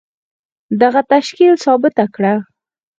دغه تشکيل ثابته کړه.